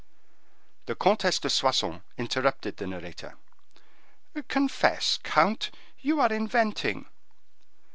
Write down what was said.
The Comtesse de Soissons interrupted the narrator: "Confess, count, you are inventing."